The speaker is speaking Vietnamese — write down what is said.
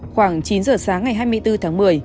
khoảng chín giờ sáng ngày hai mươi bốn tháng một mươi